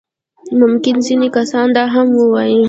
ممکن ځينې کسان دا هم ووايي.